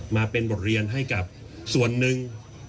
มาเป็นบทเรียนให้กับส่วนหนึ่ง